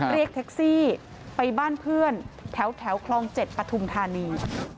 เรียกแท็กซี่ไปบ้านเพื่อนแถวคลอง๗ปฐุมธานี